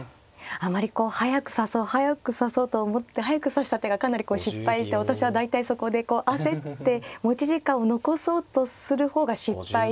あまりこう速く指そう速く指そうと思って速く指した手がかなり失敗して私は大体そこでこう焦って持ち時間を残そうとする方が失敗して。